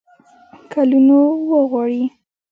کلونو وغواړي.